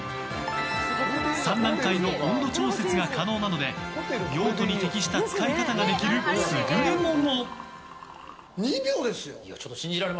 ３段階の温度調節が可能なので用途に適した使い方ができる優れもの。